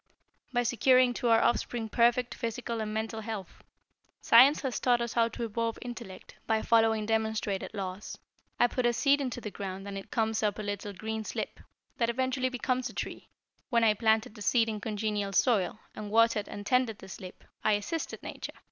"By securing to our offspring perfect, physical and mental health. Science has taught us how to evolve intellect by following demonstrated laws. I put a seed into the ground and it comes up a little green slip, that eventually becomes a tree. When I planted the seed in congenial soil, and watered and tended the slip, I assisted Nature.